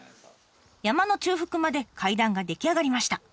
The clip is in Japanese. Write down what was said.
山の中腹まで階段が出来上がりました。